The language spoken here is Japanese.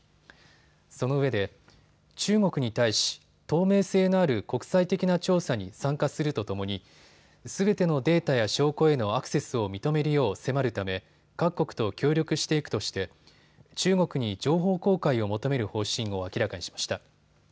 そのうえで中国に対し透明性のある国際的な調査に参加するとともにすべてのデータや証拠へのアクセスを認めるよう迫るため各国と協力していくとして中国に情報公開を求める方針を明らかにしました。